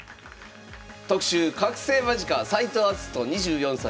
特集覚醒間近斎藤明日斗２４歳。